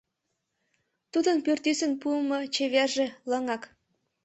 Тудын пӱртӱсын пуымо чеверже лыҥак.